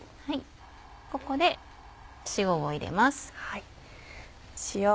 ここで塩を入れます。